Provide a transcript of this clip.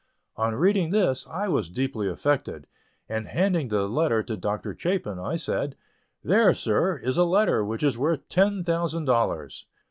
On reading this I was deeply affected; and, handing the letter to Dr. Chapin, I said: "There, sir, is a letter which is worth ten thousand dollars."